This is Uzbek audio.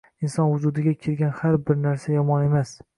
Inson vujudiga kirgan har bir narsa yomon emas.